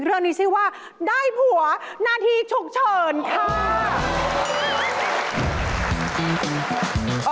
เรื่องนี้ชื่อว่าได้ผัวหน้าที่ฉุกเฉินค่ะ